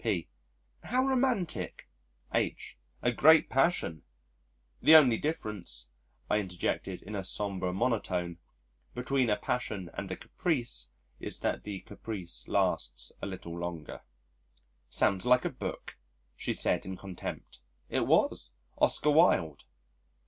P.: "How romantic!" H.: "A great passion!" "The only difference," I interjected in a sombre monotone, "between a passion and a caprice is that the caprice lasts a little longer." "Sounds like a book," She said in contempt. It was Oscar Wilde!